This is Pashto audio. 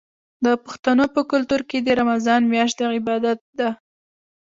د پښتنو په کلتور کې د رمضان میاشت د عبادت ده.